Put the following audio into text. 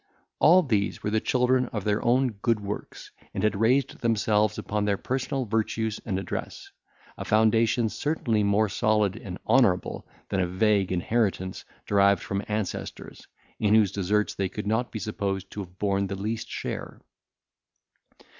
All these were the children of their own good works, and had raised themselves upon their personal virtues and address; a foundation certainly more solid and honourable than a vague inheritance derived from ancestors, in whose deserts they could not be supposed to have borne the least share.